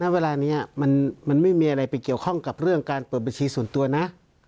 เวลานี้มันไม่มีอะไรไปเกี่ยวข้องกับเรื่องการเปิดบัญชีส่วนตัวนะ